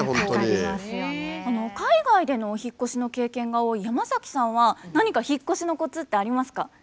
海外でのお引っ越しの経験が多いヤマザキさんは何か引っ越しのコツってありますか？